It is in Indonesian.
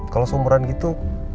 kalau seumuran gitu